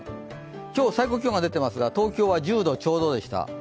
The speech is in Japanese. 今日、最高気温が出てますが、東京は１０度ちょうどでした。